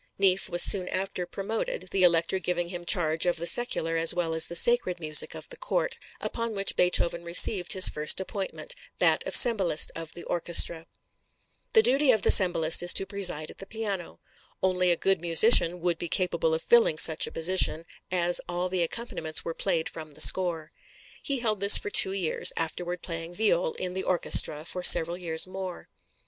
Neefe was soon after promoted, the Elector giving him charge of the secular as well as the sacred music of the Court, upon which Beethoven received his first appointment, that of cembalist of the orchestra. The duty of the cembalist is to preside at the piano. Only a good musician would be capable of filling such a position, as all the accompaniments were played from the score. He held this for two years, afterward playing viol in the orchestra for several years more.